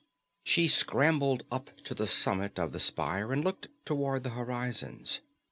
She scrambled up to the summit of the spire and looked toward the horizons.